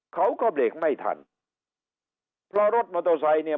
เขาก็เบรกไม่ทันเพราะรถมอเตอร์ไซค์เนี่ย